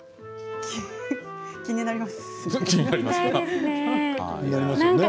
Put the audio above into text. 気になりますね。